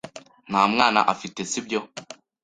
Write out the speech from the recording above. Nta mwana afite, si byo?